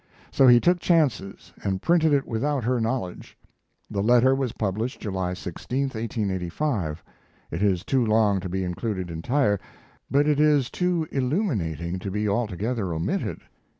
So he took chances and printed it without her knowledge. The letter was published July 16, 1885. It is too long to be included entire, but it is too illuminating to be altogether omitted.